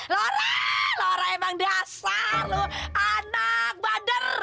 lora lora memang dasar lo anak bander